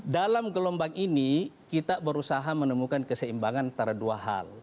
dalam gelombang ini kita berusaha menemukan keseimbangan antara dua hal